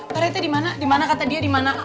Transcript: pak rt dimana dimana kata dia dimana